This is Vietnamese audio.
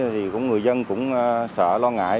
thì cũng người dân cũng sợ lo ngại